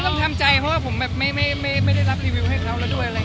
แต่ก็ต้องทำใจเพราะว่าผมไม่ได้รับรีวิวให้เขาแล้วด้วย